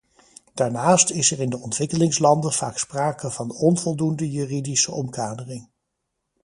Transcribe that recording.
Daarnaast is er in de ontwikkelingslanden vaak sprake van onvoldoende juridische omkadering.